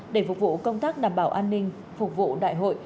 để phục vụ công tác đảm bảo an ninh phục vụ đại hội